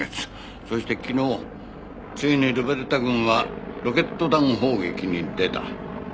そして昨日ついにルベルタ軍はロケット弾砲撃に出た。